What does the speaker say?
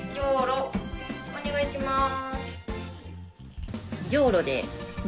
お願いします。